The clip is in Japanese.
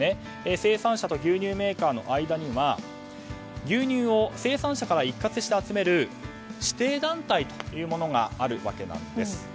生産者と牛乳メーカーの間には牛乳を生産者から一括して集める指定団体というものがあるんです。